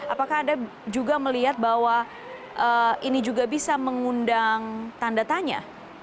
apakah anda juga melihat bahwa ini juga bisa mengundang tanda tanya